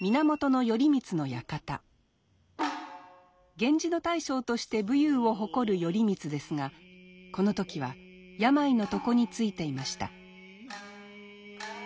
源氏の大将として武勇を誇る頼光ですがこの時は病の床についていました。